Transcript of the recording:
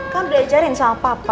kan udah ajarin sama papa